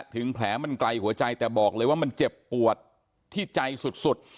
ถึงแผลมันไกลหัวใจแต่บอกเลยว่ามันเจ็บปวดที่ใจสุด